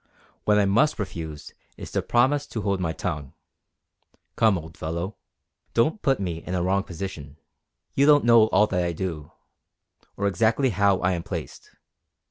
What I must refuse is to promise to hold my tongue. Come, old fellow, don't put me in a wrong position. You don't know all that I do, or exactly how I am placed.